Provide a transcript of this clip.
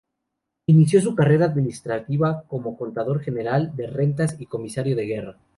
Inició su carrera administrativa como contador general de Rentas y comisario de Guerra.